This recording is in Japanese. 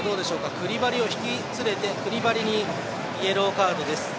クリバリを引き連れてクリバリに、イエローカードです。